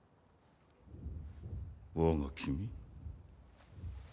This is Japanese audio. わが君？